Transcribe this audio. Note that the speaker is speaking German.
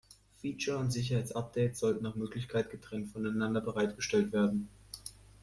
Feature- und Sicherheitsupdates sollten nach Möglichkeit getrennt voneinander bereitgestellt werden.